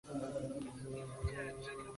只在周一至六早上繁忙时间服务。